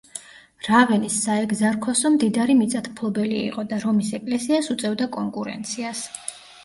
რავენის საეგზარქოსო მდიდარი მიწათმფლობელი იყო და რომის ეკლესიას უწევდა კონკურენციას.